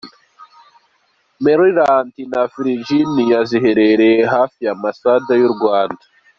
Maryland na Virginia ziherereye hafi y’ambasade y’u Rwanda.